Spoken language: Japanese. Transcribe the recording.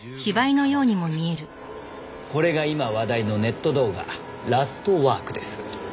これが今話題のネット動画『ラストワーク』です。